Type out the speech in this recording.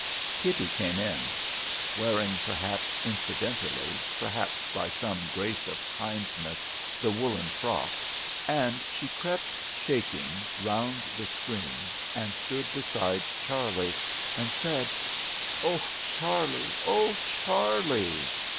Kitty came in, wearing, perhaps incidentally, perhaps by some grace of kindness, the woollen frock, and she crept, shaking, round the screen, and stood beside Charlie, and said, "Oh Charlie! Oh Charlie!"